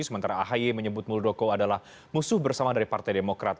sementara ahy menyebut muldoko adalah musuh bersama dari partai demokrat